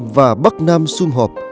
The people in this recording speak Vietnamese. và bắc nam xuân họp